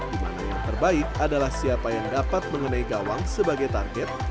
dimana yang terbaik adalah siapa yang dapat mengenai gawang sebagai target